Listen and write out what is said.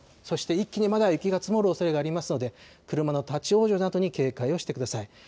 そして一気にまだ雪が積もるおそれがありますので、車の立往生などに警戒をしてください。